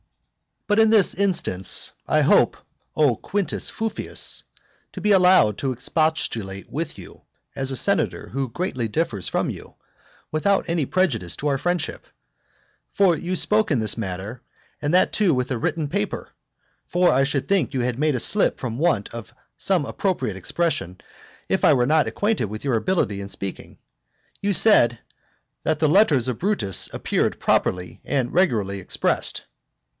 But in this instance, I hope, O Quintus Fufius, to be allowed to expostulate with you, as a senator who greatly differs from you, without any prejudice to our friendship. For you spoke in this matter, and that too from a written paper, for I should think you had made a slip from want of some appropriate expression, if I were not acquainted with your ability in speaking. You said "that the letters of Brutus appeared properly and regularly expressed."